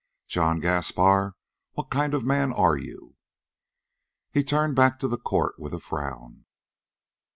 "John Gaspar, what kind of a man are you?" He turned back to the court with a frown.